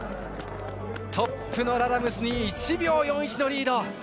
トップのラダムスに１秒４１のリード。